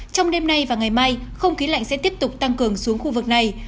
trong đêm nay và ngày mai không khí lạnh sẽ tiếp tục tăng cường xuống khu vực này